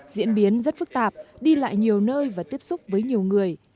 diễn biến rất phức tạp đi lại nhiều nơi và tiếp xúc với nhiều người